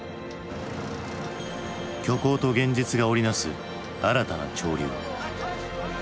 虚構と現実が織りなす新たな潮流。